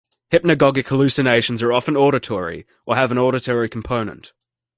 Hypnagogic hallucinations are often auditory or have an auditory component.